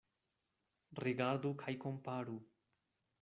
Rigardu kaj komparu.